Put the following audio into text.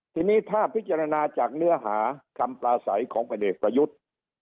ทีนี้ถ้าพิจารณาจากเนื้อหาคำปลาใสของพลเอกประยุทธ์